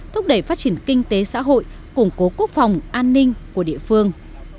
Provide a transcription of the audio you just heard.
thúc đẩy phát triển kinh tế xã hội củng cố quốc phòng an ninh của địa phương